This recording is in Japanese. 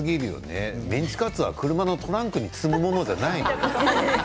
メンチカツは車のトランクに積むものじゃないですよ